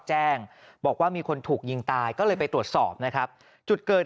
แจ้งบอกว่ามีคนถูกยิงตายก็เลยไปตรวจสอบนะครับจุดเกิด